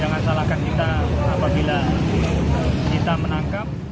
jangan salahkan kita apabila kita menangkap